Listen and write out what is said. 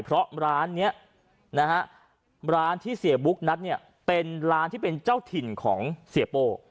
เพราะร้านนี้นะฮะร้านที่เสียบุ๊กนัดเนี่ยเป็นร้านที่เป็นเจ้าถิ่นของเสียโป้